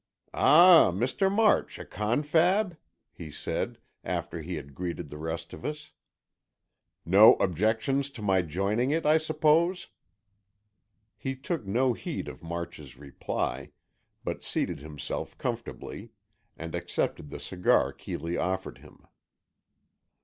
"Ah, Mr. March, a confab?" he said, after he had greeted the rest of us. "No objections to my joining it, I suppose?" He took no heed of March's reply, but seated himself comfortably, and accepted the cigar Keeley offered him.